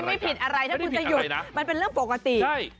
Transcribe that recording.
ไม่ผิดอะไรถ้าคุณจะหยุดมันเป็นเรื่องปกติใช่